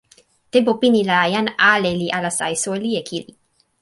tenpo pini la jan ale li alasa e soweli e kili.